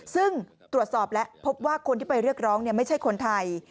ซึ่งตรวจสอบแล้วพบว่าคนที่ไปเรียกร้องไม่ใช่คนไทย